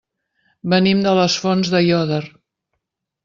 Venim de les Fonts d'Aiòder.